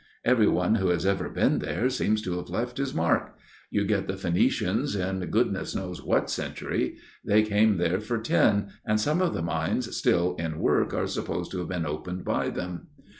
Every one who has ever been there seems to have left his mark. You get the Phoenicians in goodness knows what century ; they came there for tin, and some of the mines still in work are supposed to have been opened by them.